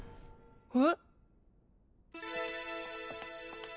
えっ？